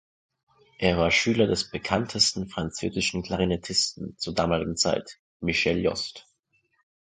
Er war Schüler des bekanntesten französischen Klarinettisten zur damaligen Zeit, Michel Yost.